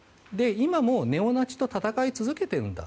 今もネオナチと戦い続けているんだ。